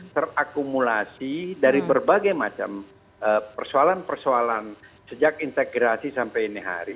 terakumulasi dari berbagai macam persoalan persoalan sejak integrasi sampai